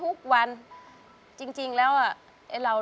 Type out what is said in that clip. คุณหมอบอกว่าเอาไปพักฟื้นที่บ้านได้แล้ว